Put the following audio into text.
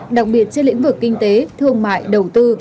đặc biệt trên lĩnh vực kinh tế thương mại đầu tư